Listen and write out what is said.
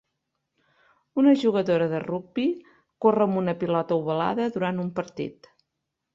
Una jugadora de rugbi corre amb una pilota ovalada durant un partit